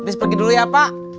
habis pergi dulu ya pak